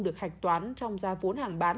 được hạch toán trong gia vốn hàng bán